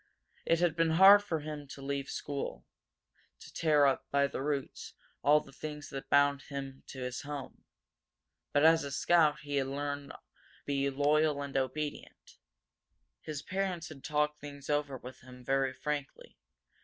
Had been hard to leave school; to tear up, by the roots, all the things that bound him to his home. But as a scout he had learned to be loyal and obedient. His parents had talked things over with him very frankly.